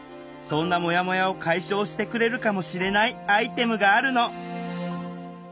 そんなモヤモヤを解消してくれるかもしれないアイテムがあるの